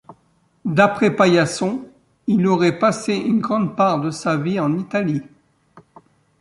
D'après Paillasson, il aurait passé une grande part de sa vie en Italie.